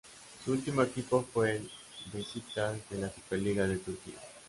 Su último equipo fue el Besiktas de la Superliga de Turquía.